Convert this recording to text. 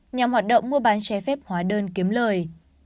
nhằm hoạt động mua bán trái phép hóa đơn kiếm lời